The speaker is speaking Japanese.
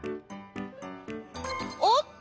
おっと！